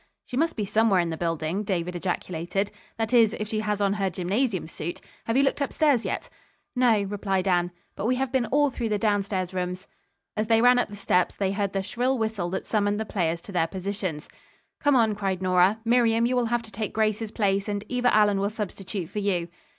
"She must be somewhere in the building," David ejaculated. "That is if she has on her gymnasium suit. Have you looked upstairs yet?" "No," replied Anne, "but we have been all through the downstairs' rooms." As they ran up the steps they heard the shrill whistle that summoned the players to their positions. "Come on," cried Nora. "Miriam, you will have to take Grace's place, and Eva Allen will substitute for you."